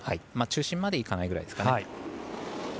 中心まではいかないくらいですかね。